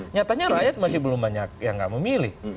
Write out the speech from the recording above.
nyatanya rakyat masih belum banyak yang nggak memilih